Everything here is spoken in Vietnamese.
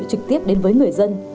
trực tiếp đến với người dân